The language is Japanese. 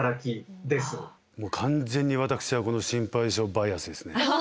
完全に私はこの心配性バイアスですね。